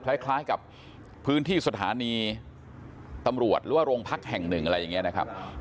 ใช้คล้ายกับพื้นที่สถานีตำรวจว่าโรงพรรคแห่ง๑อะไรอย่างนี้นะครับ